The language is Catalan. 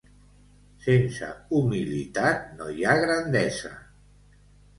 Sense humilitat no hi ha grandesa.